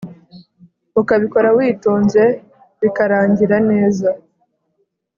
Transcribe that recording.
Ukabikora witonze bikarangira neza